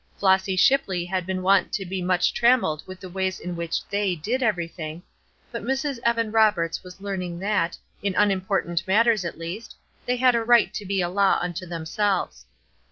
Flossy Shipley had been wont to be much trammelled with the ways in which "they" did everything; but Mrs. Evan Roberts was learning that, in unimportant matters at least, they had a right to be a law unto themselves.